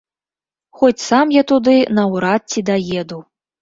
Хоць сам я туды наўрад ці даеду.